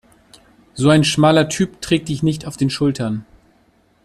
So ein schmaler Typ trägt dich nicht auf den Schultern.